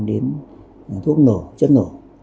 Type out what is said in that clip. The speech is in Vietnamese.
nhiên quan đến thuốc nổ chất nổ